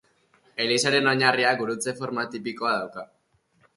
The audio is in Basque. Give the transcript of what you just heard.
Elizaren oinarria gurutze forma tipikoa dauka.